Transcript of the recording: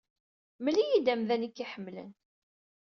Mel-iyi-d amdan ay k-iḥemmlen.